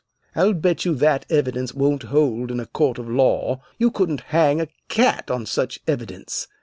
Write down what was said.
I'll bet you that evidence wouldn't hold in a court of law you couldn't hang a cat on such evidence.